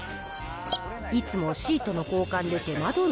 いつもシートの交換で手間取る！